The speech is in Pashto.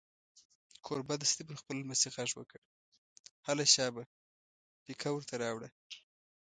کوربه دستي پر خپل لمسي غږ وکړ: هله شابه پیکه ور ته راوړه.